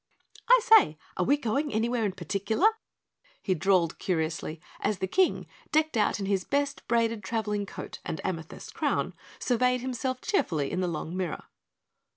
"I say, are we going anywhere in particular?" he drawled curiously as the King, decked out in his best braided traveling coat and amethyst crown, surveyed himself cheerfully in the long mirror.